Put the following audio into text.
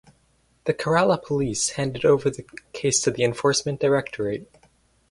The Kerala Police handed over the case to Enforcement Directorate.